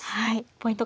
ポイント